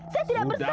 saya tidak bersalah